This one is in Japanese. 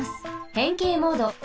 へんけいモード。